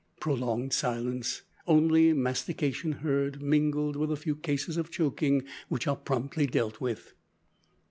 (Prolonged silence. Only mastication heard, mingled with a few cases of choking, which are promptly dealt with.)